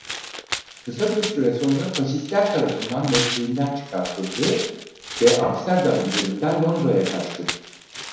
Kısa bir süre sonra Faşistler tarafından mesleğinden çıkartıldı ve Amsterdam üzerinden Londra'ya kaçtı.